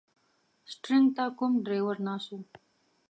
شټرنګ ته کوم ډریور ناست و.